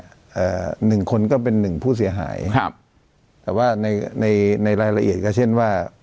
อ่าหนึ่งคนก็เป็นหนึ่งผู้เสียหายครับแต่ว่าในในในรายละเอียดก็เช่นว่า